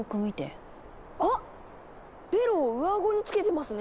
あっベロを上あごにつけてますね！